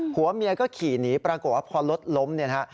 หัวเมียก็ขี่หนีปรากฏว่าพอรถล้มเนี่ยนะฮะ